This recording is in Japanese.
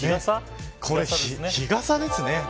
これ、日傘ですね。